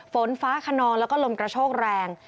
ฝนฟ้าคนนอลและลมกระโชกแรง